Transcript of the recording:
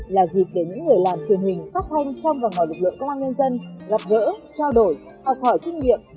là dịp để những người làm truyền hình phát thanh trong và ngoài lực lượng công an nhân dân gặp gỡ trao đổi học hỏi kinh nghiệm